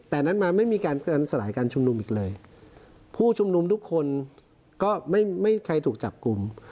แต่นั้นมาไม่มีการสลายการชุมนุมอีกเลยผู้ชุมนุมทุกคนก็ไม่ไม่เคยถูกจับกลุ่ม